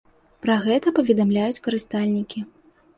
Пра гэта паведамляюць карыстальнікі.